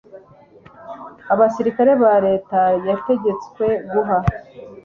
abasirikare Leta yategetswe guha